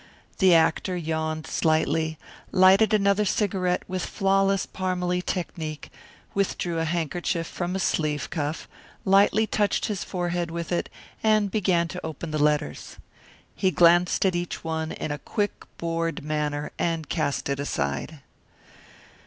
The actor yawned slightly, lighted another cigarette with flawless Parmalee technique, withdrew a handkerchief from his sleeve cuff, lightly touched his forehead with it, and began to open the letters. He glanced at each one in a quick, bored manner, and cast it aside.